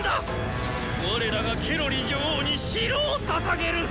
我らがケロリ女王に城をささげる！